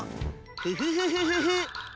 フフフフフフ！